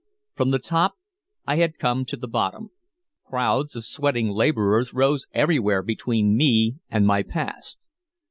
From the top I had come to the bottom. Crowds of sweating laborers rose everywhere between me and my past.